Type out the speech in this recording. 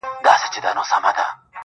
زه يې راباسم زه يې ستا د زلفو جال کي ساتم